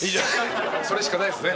それしかないですね。